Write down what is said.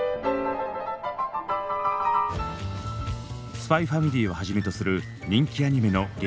「ＳＰＹ×ＦＡＭＩＬＹ」をはじめとする人気アニメの劇